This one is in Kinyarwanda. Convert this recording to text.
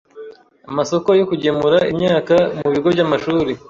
amasoko yo kugemura imyaka mu bigo by’amashuri